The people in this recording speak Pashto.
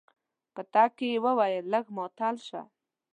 په تګ کې يې وويل لږ ماتل شه.